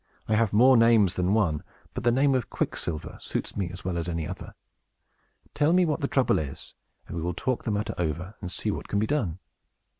I have more names than one; but the name of Quicksilver suits me as well as any other. Tell me what the trouble is, and we will talk the matter over, and see what can be done."